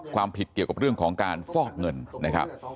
ความผิดเกี่ยวกับเรื่องของการฟอกเงินนะครับ